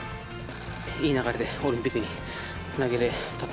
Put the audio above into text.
いい流れでオリンピックにつなげれたと。